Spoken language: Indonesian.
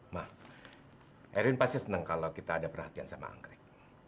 mah erwin pasti senang kalau kita ada perhatian sama anggrek